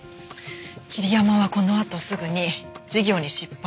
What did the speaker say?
桐山はこのあとすぐに事業に失敗してます。